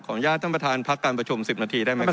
อนุญาตท่านประธานพักการประชุม๑๐นาทีได้ไหมครับ